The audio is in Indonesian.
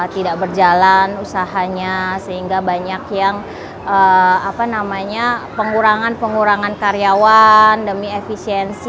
tidak berjalan usahanya sehingga banyak yang pengurangan pengurangan karyawan demi efisiensi